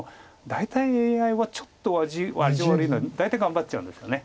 大体ＡＩはちょっと味悪いのは大体頑張っちゃうんですよね。